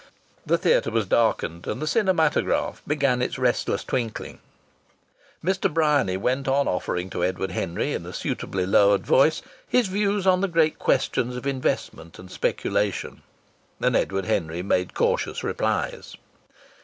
The theatre was darkened and the cinematograph began its restless twinkling. Mr. Bryany went on offering to Edward Henry, in a suitably lowered voice, his views on the great questions of investment and speculation, and Edward Henry made cautious replies.